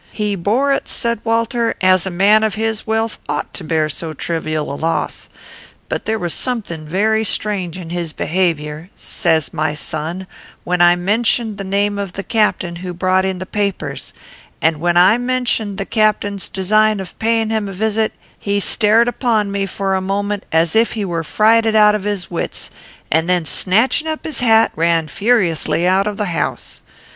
"He bore it," said Walter, "as a man of his wealth ought to bear so trivial a loss. But there was something very strange in his behaviour," says my son, "when I mentioned the name of the captain who brought the papers; and, when I mentioned the captain's design of paying him a visit, he stared upon me, for a moment, as if he were frighted out of his wits, and then, snatching up his hat, ran furiously out of the house."